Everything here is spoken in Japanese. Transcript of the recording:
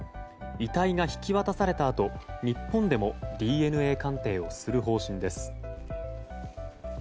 遺体が引き渡されたあと日本でもＤＮＡ鑑定をする方針です。